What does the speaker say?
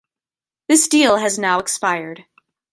This deal has now expired.